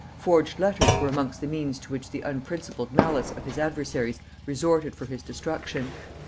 Forged letters were amongst the means to which the unprincipled malice of his adversaries resorted for his destruction.